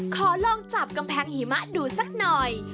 ขอลองจับกำแพงหิมะดูสักหน่อย